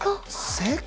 正解。